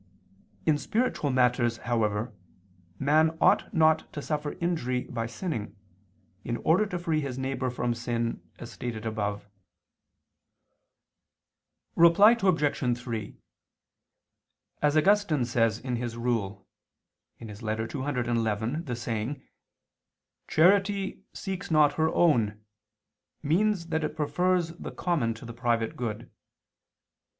In spiritual matters, however, man ought not to suffer injury by sinning, in order to free his neighbor from sin, as stated above. Reply Obj. 3: As Augustine says in his Rule (Ep. ccxi), the saying, "'charity seeks not her own,' means that it prefers the common to the private good."